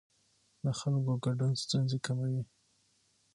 د خلکو ګډون ستونزې کموي